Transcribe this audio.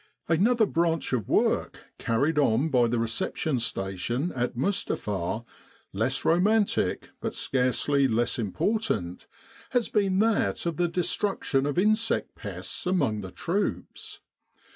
Another branch of work carried on by the Reception Station at Mustapha less romantic but scarcely less important has been that of the destruction of insect pests among the troops.